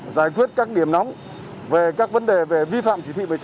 giải quyết các điểm nóng về các vấn đề về vi phạm chỉ thị một mươi sáu